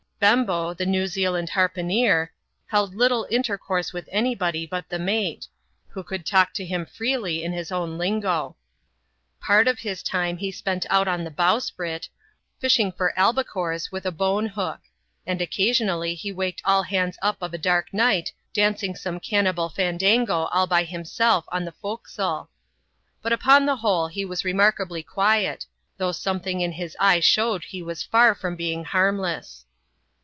Bembo, the New Zealand har poneer, held little intercourse with any body but the mate, who could talk to him freely in his own lingo. Part of his time he spent out on the bowsprit, fishing for albicores with a bone hook ; and occasionally he waked all hands up of a dark night dancing some cannibal fandango all by himself on the fore castle. But, upon the whole, he was remarkably quiet, though something in his eye showed he was far from being harmless.